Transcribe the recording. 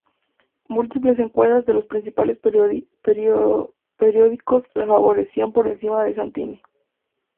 Múltiples encuestas de los principales periódicos la favorecían por encima de Santini.